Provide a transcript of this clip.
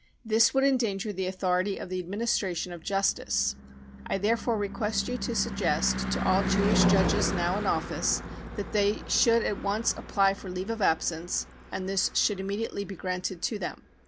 This would endanger the authority of the administration of justice. I therefore request you to suggest to all Jewish judges now in office that they should at once apply for leave of absence, and this should immediately be granted to them.